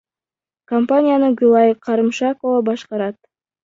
Компанияны Гүлай Карымшакова башкарат.